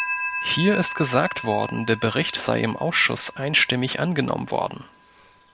Hier ist gesagt worden, der Bericht sei im Ausschuss einstimmig angenommen worden.